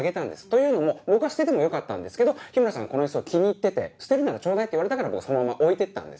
というのも僕は捨ててもよかったんですけど日村さんこのイスを気に入ってて「捨てるならちょうだい」って言われたからそのまま置いてったんですよ。